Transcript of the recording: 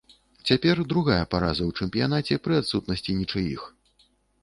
Цяпер другая параза ў чэмпіянаце пры адсутнасці нічыіх.